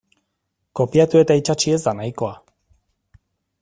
Kopiatu eta itsatsi ez da nahikoa.